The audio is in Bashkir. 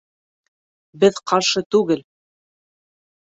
Беҙ ҡаршы түгел